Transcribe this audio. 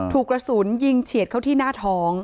ถูกกระสุนยิงเฉียดเข้าที่หน้าท้อง